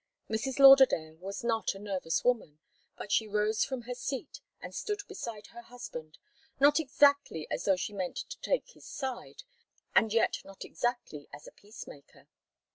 Mrs. Lauderdale was not a nervous woman, but she rose from her seat and stood beside her husband, not exactly as though she meant to take his side, and yet not exactly as a peace maker.